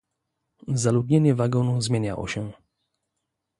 "Zaludnienie wagonu zmieniało się."